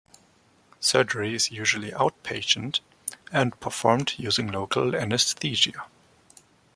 Surgery is usually 'outpatient' and performed using local anesthesia.